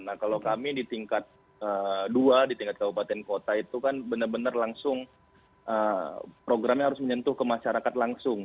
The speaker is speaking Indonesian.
nah kalau kami di tingkat dua di tingkat kabupaten kota itu kan benar benar langsung programnya harus menyentuh ke masyarakat langsung